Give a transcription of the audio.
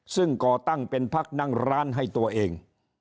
ซึ่งก่อตั้งเป็นพักนั่งร้านให้ตัวเอง